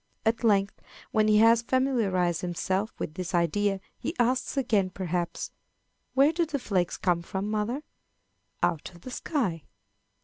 At length, when he has familiarized himself with this idea, he asks again, perhaps, "Where do the flakes come from, mother?" "Out of the sky."